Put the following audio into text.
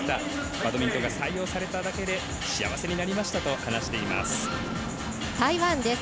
バドミントンが採用されたというだけで幸せになりました」と話しています。